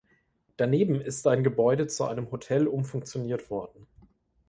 Daneben ist ein Gebäude zu einem Hotel umfunktioniert worden.